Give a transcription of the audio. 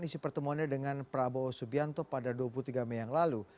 isi pertemuannya dengan prabowo subianto pada dua puluh tiga mei yang lalu